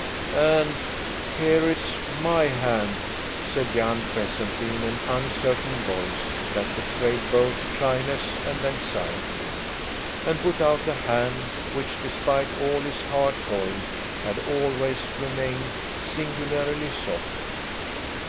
"And here's my hand," Jan said presently, in an uncertain voice that betrayed both shyness and anxiety and put out a hand, which despite all his hard toil had always remained singularly soft.